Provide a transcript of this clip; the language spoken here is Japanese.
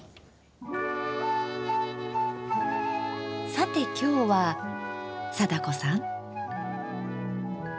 さて今日は貞子さん？